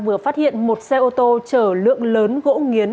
vừa phát hiện một xe ô tô chở lượng lớn gỗ nghiến